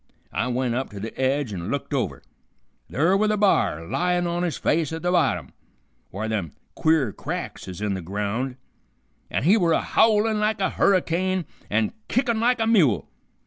I went up to the edge an' looked over. Ther' were the b'ar layin' on his face at the bottom, whar them queer cracks is in the ground, an' he were a howlin' like a hurricane and kickin' like a mule.